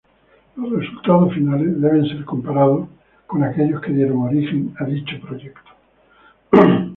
Los resultados finales deben ser comparados con aquellos que dieron origen a dicho proyecto.